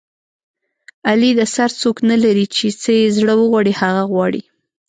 علي د سر څوک نه لري چې څه یې زړه و غواړي هغه غواړي.